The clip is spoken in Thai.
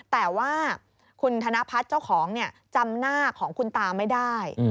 แต่ว่าคุณธนพัฒน์เจ้าของจำหน้าของคุณตาไม่ได้